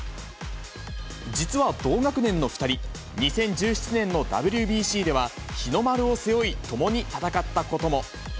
実は同学年の２人、２０１７年のＷＢＣでは日の丸を背負い、ともに戦ったことも。